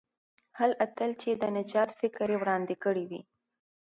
هغه اتل چې د نجات فکر یې وړاندې کړی وو.